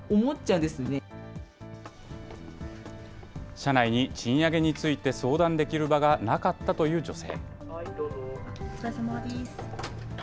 社内に賃上げについて相談できる場がなかったという女性。